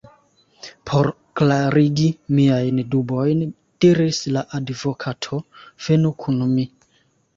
Por klarigi miajn dubojn, diris la advokato, venu kun mi.